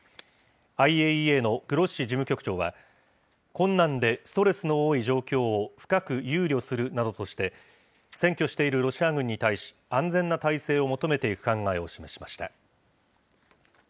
ＩＡＥＡのグロッシ事務局長は、困難でストレスの多い状況を深く憂慮するなどとして、占拠しているロシア軍に対し、安全な態勢を求めていく考えを示しました。